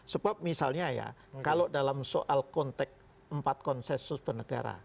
sebab misalnya ya kalau dalam soal konteks empat konsensus bernegara